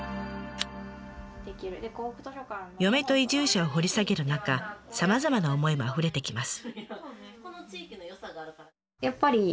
嫁と移住者を掘り下げる中さまざまな思いもあふれてきます。